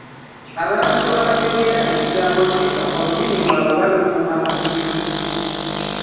Abantu abategeera ekigambo kino, olulimi lwabwe balukuuma butiribiri.